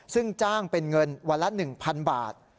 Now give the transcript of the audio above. ซึ่งจ้างเป็นเงินวันละ๑๐๐๐บาท